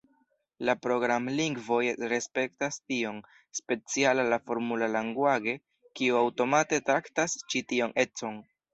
La programlingvoj respektas tion, speciala la "Formula language", kiu aŭtomate traktas ĉi tion econ.